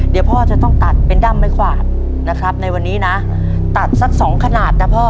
เดี๋ยวพ่อจะต้องตัดเป็นด้ำไม่ขวาดนะครับในวันนี้นะตัดสักสองขนาดนะพ่อ